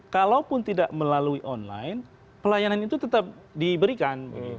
kalaupun tidak melalui online pelayanan itu tetap diberikan